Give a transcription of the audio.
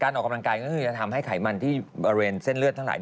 การออกกำลังกายก็คือจะทำให้ไขมันที่เซ่นเลือดทั้งหลาย